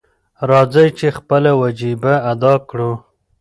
راځئ چې خپله وجیبه ادا کړو.